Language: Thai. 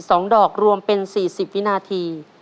สองดอกรวมเป็นสี่สิบวินาที